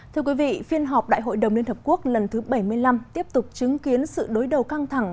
thưa quý vị phiên họp đại hội đồng liên hợp quốc lần thứ bảy mươi năm tiếp tục chứng kiến sự đối đầu căng thẳng